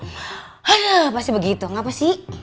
aduh pasti begitu ngapasih